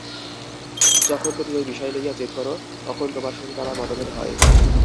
যখন তুমি ঐ বিষয় লইয়া জেদ কর, তখন তোমার সহিত আমার মতভেদ হয়।